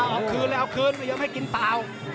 อ๋อเอาคืนเลยเอาคืนมันยังไม่กินเปล่า